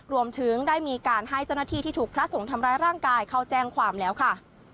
รวมถึงได้มีการให้เจ้าหน้าที่ที่ถูกพระสงฆ์ทำร้ายร่างกายเข้าแจ้งความแล้วค่ะ